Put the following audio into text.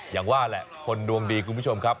อย่างว่าแหละคนดวงดีคุณผู้ชมครับ